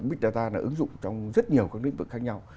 big data là ứng dụng trong rất nhiều các lĩnh vực khác nhau